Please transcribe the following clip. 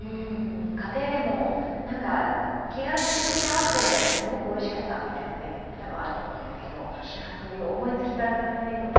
家庭でも何か、気軽な気持ちで合わせてみたらすごくおいしかったみたいな、メニューってあると思うんですけどそういう思いつきから生まれるメニューも